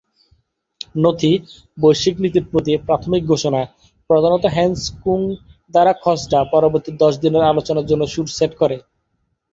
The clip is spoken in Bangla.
নথি, "বৈশ্বিক নীতির প্রতি: প্রাথমিক ঘোষণা", প্রধানত হ্যান্স কুং দ্বারা খসড়া, পরবর্তী দশ দিনের আলোচনার জন্য সুর সেট করে।